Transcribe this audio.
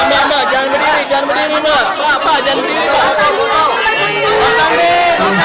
mbak mbak mbak jangan berdiri jangan berdiri mas